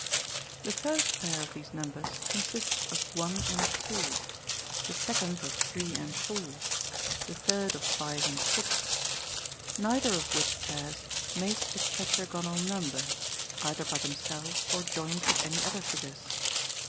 1 1 . The first pair of these numbers consists of one and tvvo, the second of three and four, the third of five and six ; neither of which pairs make a tetragonal number, either by themselves or joined with any other figures.